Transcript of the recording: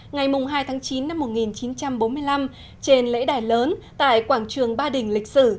ngày mùng hai tháng chín năm một nghìn chín trăm bốn mươi năm trên lễ đài lớn tại quảng trường ba đình